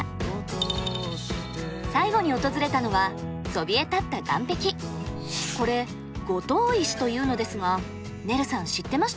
最後に訪れたのはこれ五島石というのですがねるさん知ってましたか？